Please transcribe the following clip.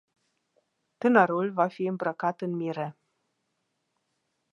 Tânărul va fi îmbrăcat în mire.